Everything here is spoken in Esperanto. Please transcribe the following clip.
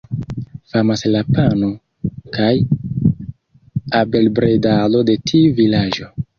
Famas la pano kaj abelbredado de tiu vilaĝo.